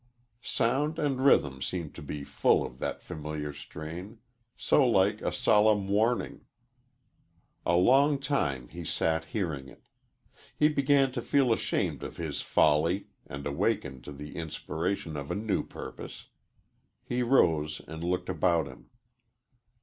Sound and rhythm seemed to be full of that familiar strain so like a solemn warning: [Illustration: 0038] A long time he sat hearing it. He began to feel ashamed of his folly and awakened to the inspiration of a new purpose. He rose and looked about him.